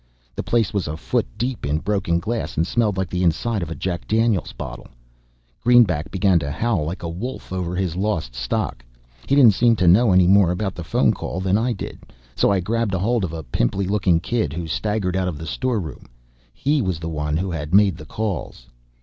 The place was a foot deep in broken glass and smelled like the inside of a Jack Daniels bottle. Greenback began to howl like a wolf over his lost stock. He didn't seem to know any more about the phone call than I did, so I grabbed ahold of a pimply looking kid who staggered out of the storeroom. He was the one who had made the calls.